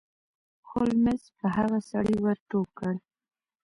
هولمز په هغه سړي ور ټوپ کړ.